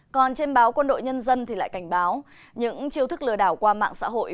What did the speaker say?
còn trên báo quân đội nhân dân thì lại cảnh báo những chiêu thức lừa đảo qua mạng xã hội